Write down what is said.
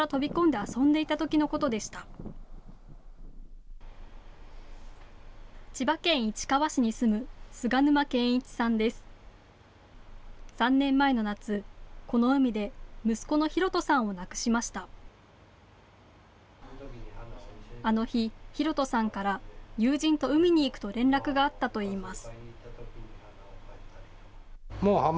あの日、大斗さんから友人と海に行くと連絡があったといいます。